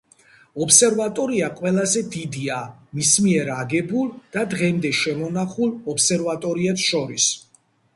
ობსერვატორია ყველაზე დიდია მის მიერ აგებულ და დღემდე შემონახულ ობსერვატორიებს შორის.